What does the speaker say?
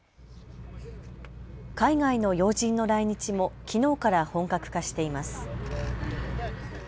海外の要人の来日もきのうから本格化しています。